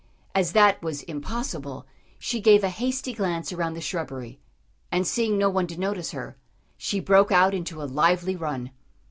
As that was impossible, she gave a hasty glance around the shrubbery, and seeing no one to notice her, she broke out into a lively run.